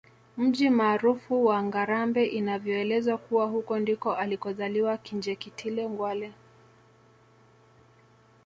Mji maarufu wa Ngarambe inavyoelezwa kuwa huko ndiko alikozaliwa Kinjeketile Ngwale